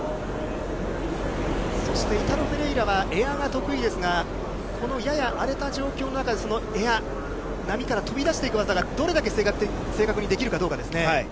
そしてイタロ・フェレイラはエアが得意ですが、このやや荒れた状況の中でそのエアー、波から飛び出していく技がどれだけ正確にできるかどうかですね。